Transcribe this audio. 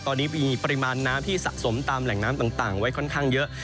ตอนนี้มีปริมาณน้ำที่สะสมตามแหล่งน้ำต่างไว้ค่อนข้างเยอะ